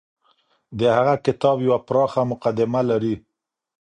د هغه کتاب يوه پراخه مقدمه لري.